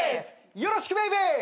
よろしくベイベー！